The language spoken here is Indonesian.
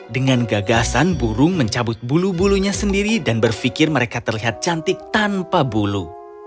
dengan gagasan burung mencabut bulu bulunya sendiri dan berpikir mereka terlihat cantik tanpa bulu